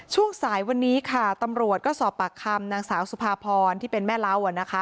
ช่วงสายวันนี้ค่ะตำรวจก็สอบปากคำนางสาวสุภาพรที่เป็นแม่เล้า